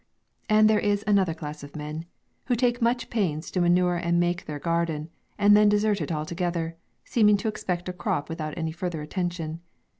And there is another class of men, who take much pains to manure and make their garden, and then desert it altogether, seeming to expect a crop without any further attention.